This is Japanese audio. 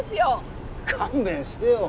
勘弁してよ。